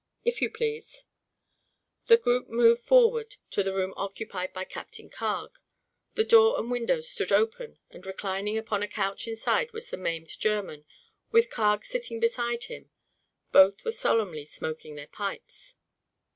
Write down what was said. "If you please." The group moved forward to the room occupied by Captain Carg. The door and windows stood open and reclining upon a couch inside was the maimed German, with Carg sitting beside him. Both were solemnly smoking their pipes.